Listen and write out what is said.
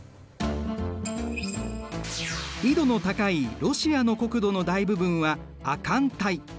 緯度の高いロシアの国土の大部分は亜寒帯。